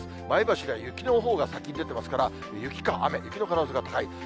前橋では雪のほうが先に出てますから、雪か雨、雪の可能性が高い。